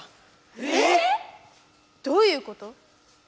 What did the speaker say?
ええっ⁉どういうこと？